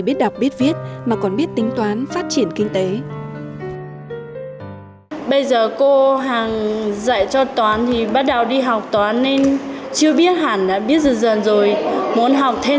biết đọc biết viết mà còn biết tính toán phát triển kinh tế